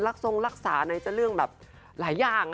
ลักทรงลักษาในเรื่องแบบหลายอย่าง